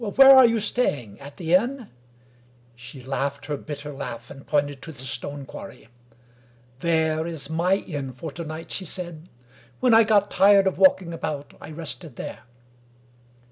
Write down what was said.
"Where are you staying? At the inn?" She laughed her bitter laugh, and pointed to the stone quarry. " There is my inn for to night," she said. " When I got tired of walking about, I rested there."